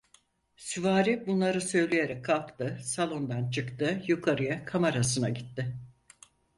Süvari bunları söyleyerek kalktı, salondan çıktı, yukarıya, kamarasına gitti.